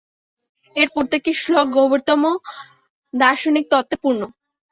এর প্রত্যেকটি শ্লোক গভীরতম দার্শনিক তত্ত্বে পূর্ণ।